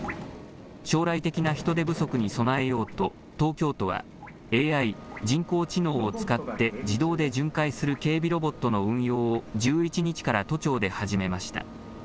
将来的な人手不足に備えようと、東京都はＡＩ・人工知能を使って自動で巡回する警備ロボットの運用を１１日から都庁で始めました。